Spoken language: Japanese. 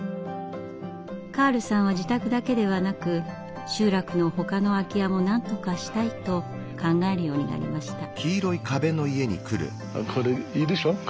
カールさんは自宅だけではなく集落のほかの空き家もなんとかしたいと考えるようになりました。